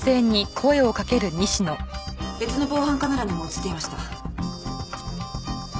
別の防犯カメラにも映っていました。